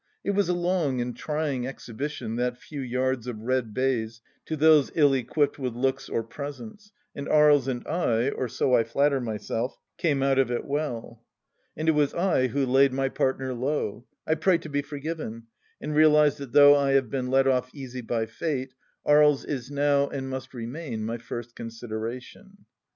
It was a long and trying exhibition, that few yards of red baize, to those Hi equipped with looks or presence, and Aries and I, or so I flatter myself, came out of it well. And it was I who laid my partner low 1 I pray to be forgiven, and realize that though I have been let off easy by Fate, Aries is now, and must remain, my first consideration.